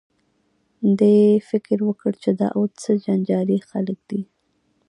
دې فکر وکړ چې دا اوس څه جنجالي خلک دي.